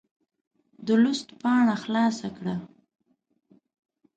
د لوست پاڼه خلاصه کړه.